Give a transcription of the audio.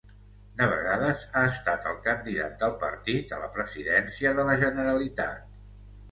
De vegades ha estat el candidat del partit a la Presidència de la Generalitat.